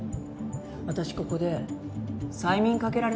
私ここで催眠かけられたみたいなの。